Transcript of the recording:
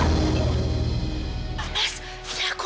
jangan jangan salah satu dari mereka